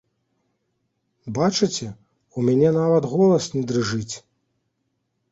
Бачыце, у мяне нават голас не дрыжыць.